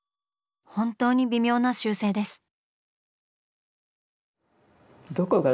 本当に微妙な修正です。